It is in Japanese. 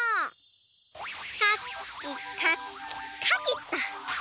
かきかきかきっと！